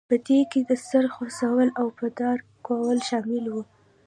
په دې کې د سر غوڅول او په دار کول شامل وو.